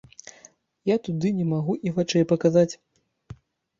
Я туды не магу і вачэй паказаць.